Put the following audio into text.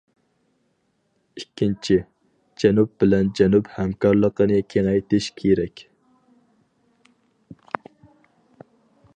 ئىككىنچى، جەنۇب بىلەن جەنۇب ھەمكارلىقىنى كېڭەيتىش كېرەك.